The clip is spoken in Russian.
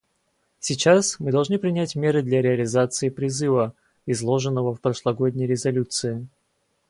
Сейчас мы должны принять меры для реализации призыва, изложенного в прошлогодней резолюции: